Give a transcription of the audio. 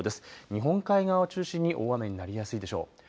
日本海側を中心に大雨になりやすいでしょう。